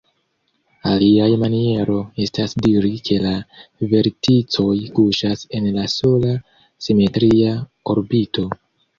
Aliaj maniero estas diri ke la verticoj kuŝas en la sola "simetria orbito".